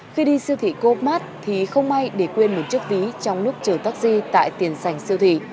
khi đi siêu thị cô úc mát thì không may để quên một chiếc ví trong lúc chở taxi tại tiền sành siêu thị